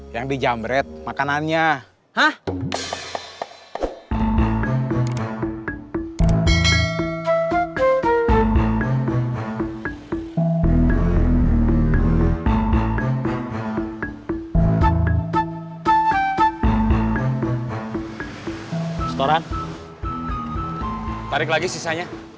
yang di jam red makanannya